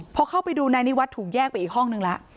พอเข้าไปดูนายนิวัฒน์ถูกแยกไปอีกห้องนึงแล้ว